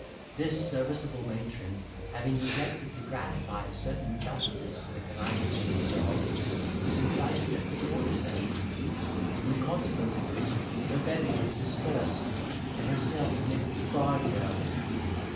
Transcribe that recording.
This serviceable matron having neglected to gratify a certain justice for the connivance she enjoyed, was indicted at the quarter sessions, in consequence of which her bevy was dispersed, and herself committed to Bridewell.